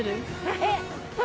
えっ。